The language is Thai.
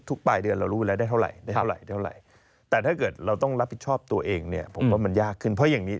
ทุกป่ายเดือนเรารู้แล้วได้เท่าไหร่แต่ถ้าเกิดเราต้องรับผิดชอบตัวเองเนี่ยมันยากขึ้นเพราะอย่างนี้